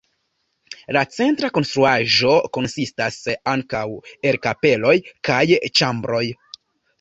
La centra konstruaĵo konsistas ankaŭ el kapeloj kaj ĉambroj.